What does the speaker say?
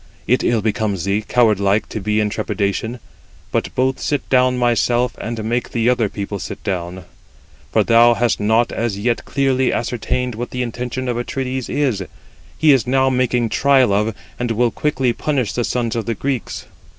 it ill becomes thee, coward like, to be in trepidation; but both sit down thyself, and make the other people sit down, for thou hast not as yet clearly ascertained what the intention of Atrides is. He is now making trial of, and will quickly punish the sons of the Greeks.